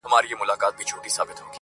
• زما جانان وې زما جانان یې جانانه یې,